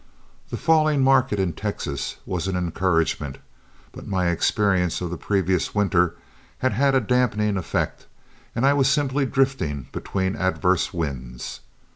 The falling market in Texas was an encouragement, but my experience of the previous winter had had a dampening effect, and I was simply drifting between adverse winds.